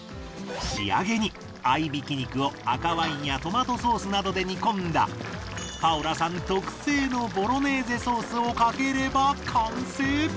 仕上げに合挽き肉を赤ワインやトマトソースなどで煮込んだパオラさん特製のボロネーゼソースをかければ完成。